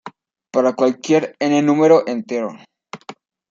Para cualquier n número entero.